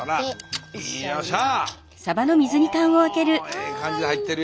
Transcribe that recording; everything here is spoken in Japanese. ええ感じに入ってるやん。